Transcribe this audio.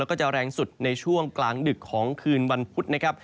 แล้วก็จะแรงสุดในช่วงกลางดึกของคืนวันพุธนะครับ